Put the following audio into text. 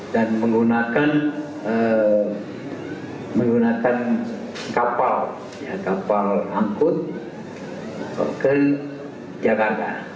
dan menggunakan kapal angkut ke jakarta